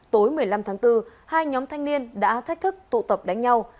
tối một mươi năm tháng bốn hai nhóm thanh niên đã thách thức tụ tập đánh nhau